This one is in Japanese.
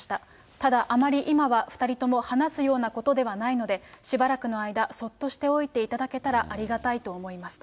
ただ、あまり今は２人とも話すようなことではないので、しばらくの間、そっとしておいていただけたらありがたいと思いますと。